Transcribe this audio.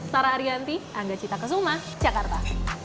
tara ariyanti angga cita kesumah jakarta